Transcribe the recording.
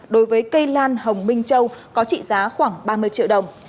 đối với cây lan hồng minh châu có trị giá khoảng ba mươi triệu đồng